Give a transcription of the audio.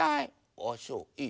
ああそういいよ。